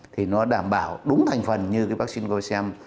thì nó đảm bảo đúng thành phần như cái vaccine quimaxem